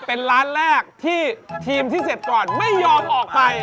เป็นร้านแรกที่ทีมที่เสร็จก่อนไม่ยอมออกไป